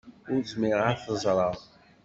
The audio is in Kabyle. Ur zmireɣ ad t-ẓreɣ.